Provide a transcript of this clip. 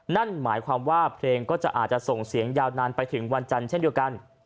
นั่นหมายความว่าเพลงก็จะอาจจะส่งเสียงยาวนานไปถึงวันจันทร์เช่นเดียวกัน